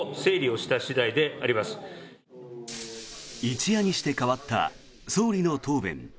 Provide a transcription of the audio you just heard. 一夜にして変わった総理の答弁。